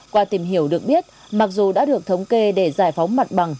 qua tìm hiểu được biết mặc dù đã được thống kê để giải phóng mặt bằng